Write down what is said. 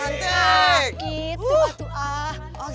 nah gitu itu ah